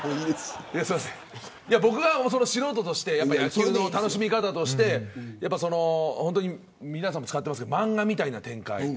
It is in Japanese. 僕は、素人として野球の楽しみ方として皆さんも使ってますけど漫画みたいな展開